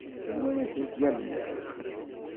Anwa ara tent-yamnen?